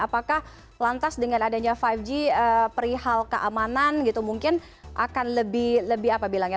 apakah lantas dengan adanya lima g perihal keamanan gitu mungkin akan lebih apa bilangnya